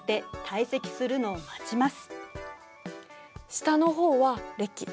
下の方はれき。